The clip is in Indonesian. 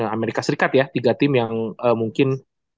amerika serikat ya tiga tim yang mungkin